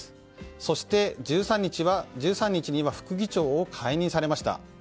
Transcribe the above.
そして、１３日には副議長を解任されました。